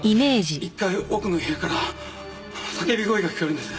１階奥の部屋から叫び声が聞こえるんです。